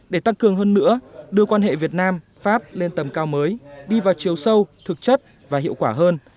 để tăng cường hơn nữa đưa quan hệ việt nam pháp lên tầm cao mới đi vào chiều sâu thực chất và hiệu quả hơn